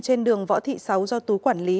trên đường võ thị sáu do tú quản lý